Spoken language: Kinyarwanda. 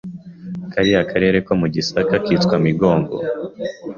kariya karere ko mu Gisaka kitwa Migongo